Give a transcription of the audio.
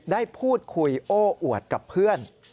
ได้พูดคุยโอ้อวดกับเพื่อน